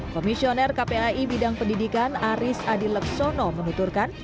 komisioner kpai bidang pendidikan aris adileksono menuturkan